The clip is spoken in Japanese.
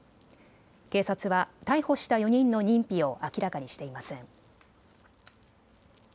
警察は逮捕した４人の認否を明らかにしていません。